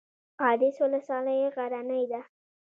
قادس ولسوالۍ غرنۍ ده؟